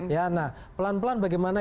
ya nah pelan pelan bagaimana